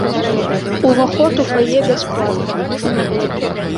Уваход у фае бясплатны.